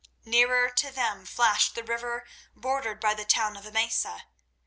Nearer to them flashed the river bordered by the town of Emesa.